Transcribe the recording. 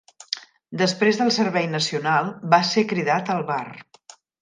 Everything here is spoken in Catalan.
Després del servei nacional va ser cridat al bar.